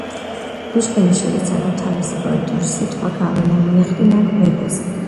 პუშკინი შეეცადა თავისი პოეტური სიტყვით გავლენა მოეხდინა მეფეზე.